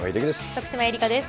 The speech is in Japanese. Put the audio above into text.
徳島えりかです。